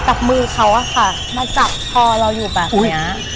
จับมือเขาอะค่ะมาจับคอเราอยู่แบบเนี้ย